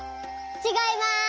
ちがいます。